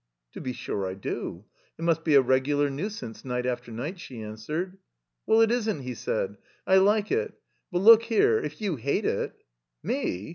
"To be sure I do. It must be a regular nuisance, night after night," she answered. "WeU, it isn't," he said. "I like it. But look here — ^if you hate it —" "Me?"